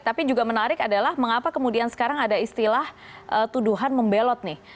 tapi juga menarik adalah mengapa kemudian sekarang ada istilah tuduhan membelot nih